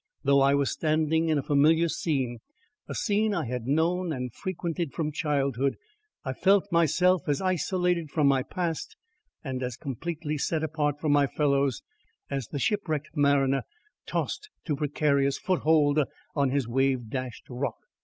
Though I was standing in a familiar scene a scene I had known and frequented from childhood, I felt myself as isolated from my past and as completely set apart from my fellows as the shipwrecked mariner tossed to precarious foot hold on his wave dashed rock.